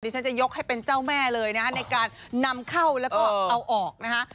ฉันจะยกให้เป็นเจ้าแม่เลยนะฮะในการนำเข้าแล้วก็เอาออกนะคะ